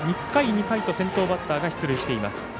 １回、２回と先頭バッターが出塁しています。